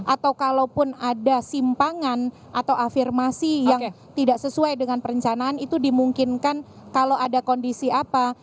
atau kalaupun ada simpangan atau afirmasi yang tidak sesuai dengan perencanaan itu dimungkinkan kalau ada kondisi apa